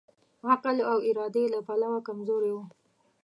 عقل او ارادې له پلوه کمزوری وو.